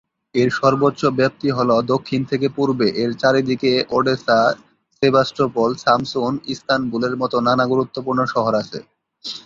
এর সর্বোচ্চ ব্যাপ্তি হলো দক্ষিণ থেকে পূর্বে ।এর চারিদিকে ওডেসা, সেভাস্টোপোল, সামসুন, ইস্তানবুলের মতো নানা গুরুত্বপূর্ণ শহর আছে।